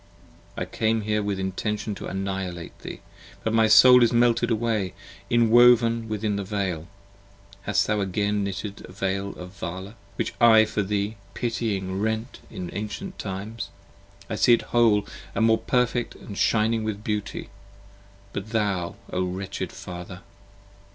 I came here with intention to annihilate thee; But My soul is melted away, inwoven within the Veil. 5 Hast thou again knitted the Veil of Vala, which I for thee Pitying rent in ancient times. I see it whole and more Perfect: and shining with beauty! But thou! O wretched Father!